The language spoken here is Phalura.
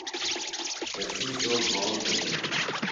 تسی شو گھوم بِھلوۡ۔